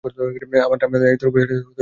আমার দায়িত্বরত অফিসারের সাথে কথা বলা দরকার।